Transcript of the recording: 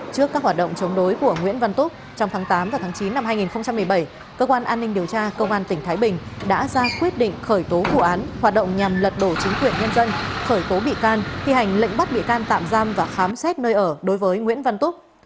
trước các hoạt động chống đối của nguyễn văn túc trong tháng tám và tháng chín năm hai nghìn một mươi bảy cơ quan an ninh điều tra công an tỉnh thái bình đã ra quyết định khởi tố vụ án hoạt động nhằm lật đổ chính quyền nhân dân khởi tố bị can thi hành lệnh bắt bị can tạm giam và khám xét nơi ở đối với nguyễn văn túc